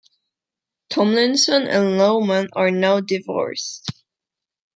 Tomlinson and Lowman are now divorced.